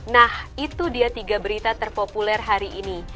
nah itu dia tiga berita terpopuler hari ini